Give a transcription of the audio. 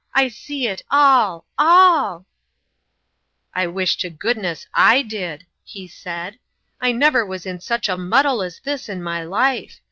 I see it all all !"" I wish to goodness I did !" he said. " I never was in such a muddle as this in my life.